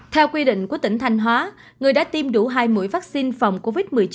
theo quy định của tỉnh thanh hóa người đã tiêm đủ hai mũi vaccine phòng covid một mươi chín